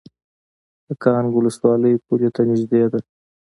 د کانګ ولسوالۍ پولې ته نږدې ده